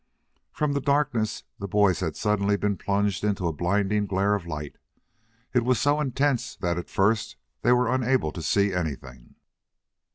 From the darkness the boys had suddenly been plunged into a blinding glare of light. It was so intense that at first they were unable to see anything.